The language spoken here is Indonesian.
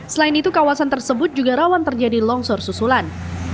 selain itu kawasan tersebut juga rawan terjadi longsor susulan